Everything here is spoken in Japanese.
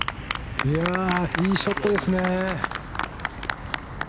いいショットですね。